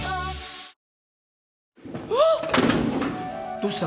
どうした？